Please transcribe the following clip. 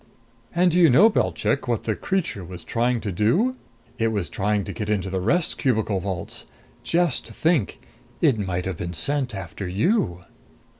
"And do you know, Belchik, what the creature was trying to do? It was trying to get into the rest cubicle vaults. Just think, it might have been sent after you!"